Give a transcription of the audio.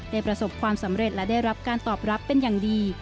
ประสบความสำเร็จและได้รับการตอบรับเป็นอย่างดี